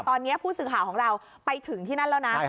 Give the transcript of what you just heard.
ตอนนี้ผู้สื่อข่าวของเราไปถึงที่นั่นแล้วนะ